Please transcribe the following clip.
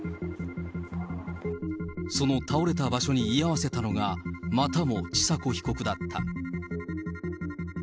その倒れた場所に居合わせたのがまたも千佐子被告だった。